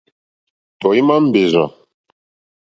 Tɔ̀ímá mbèrzà.